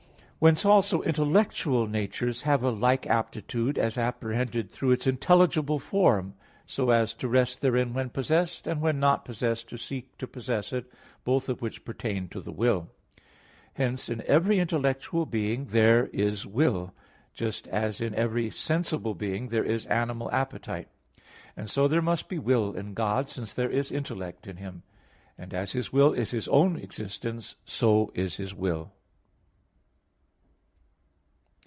Whence also intellectual natures have a like aptitude as apprehended through its intelligible form; so as to rest therein when possessed, and when not possessed to seek to possess it, both of which pertain to the will. Hence in every intellectual being there is will, just as in every sensible being there is animal appetite. And so there must be will in God, since there is intellect in Him. And as His intellect is His own existence, so is His will.